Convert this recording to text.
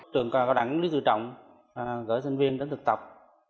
trường cao đẳng lý dự trọng gửi sinh viên đến thực tập